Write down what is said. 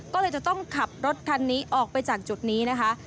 ก็เลยจะต้องขับรถคันนี้ออกไปจากจุดนี้นะคะ